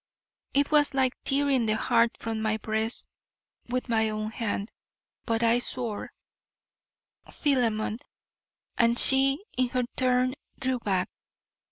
It was like tearing the heart from my breast with my own hand, but I swore, Philemon, and she in her turn drew back.